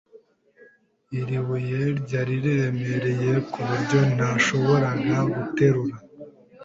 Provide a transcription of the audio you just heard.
Iri buye ryari riremereye kuburyo ntashobora guterura.